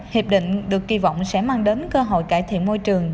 hiệp định được kỳ vọng sẽ mang đến cơ hội cải thiện môi trường